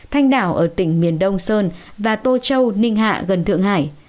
thanh đảo ở tỉnh miền đông sơn và tô châu ninh hạ gần thượng hải